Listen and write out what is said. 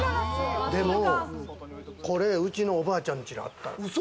でも、これうちのおばあちゃんちにあった。